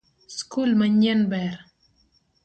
Skul manyien ber